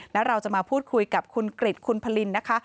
แล้วเราจะมาพูดคุยกับคุณกริจคุณพลินนะคะ